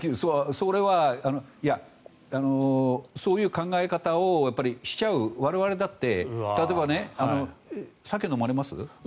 それはそういう考え方をしちゃう我々だって例えば、酒飲まれます？